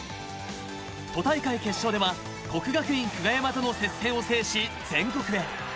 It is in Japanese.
都大会決勝では國學院大學久我山との接戦を制し、全国へ。